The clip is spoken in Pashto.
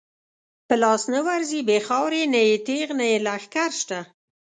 په لاس نه ورځی بی خاورو، نه یی تیغ نه یی لښکر شته